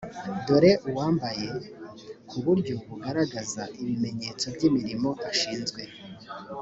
dore uwambaye ku buryo bugaragaza ibimenyetso by imirimo ashinzwe